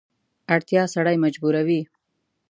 اړتیا سړی مجبوروي.